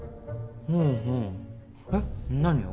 ふんふんえっ何を？